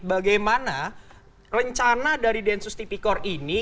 bagaimana rencana dari densus tipikor ini